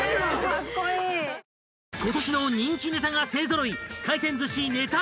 ［今年の人気ネタが勢揃い！］